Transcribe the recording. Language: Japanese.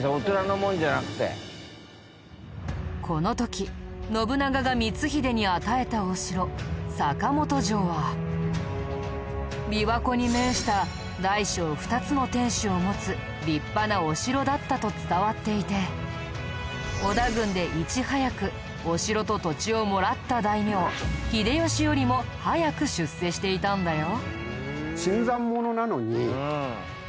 この時信長が光秀に与えたお城坂本城は琵琶湖に面した大小２つの天守を持つ立派なお城だったと伝わっていて織田軍でいち早くお城と土地をもらった大名秀吉よりも早く出世していたんだよ。